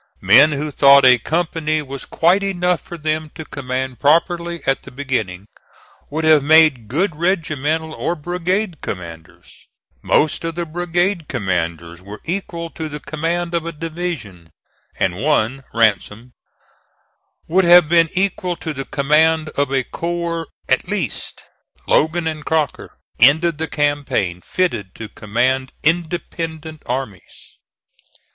Men who thought a company was quite enough for them to command properly at the beginning, would have made good regimental or brigade commanders; most of the brigade commanders were equal to the command of a division, and one, Ransom, would have been equal to the command of a corps at least. Logan and Crocker ended the campaign fitted to command independent armies.